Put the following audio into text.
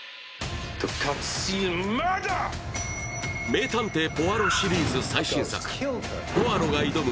「名探偵ポアロ」シリーズ最新作ポアロが挑む